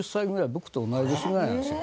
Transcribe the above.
僕と同じ年ぐらいなんですよ。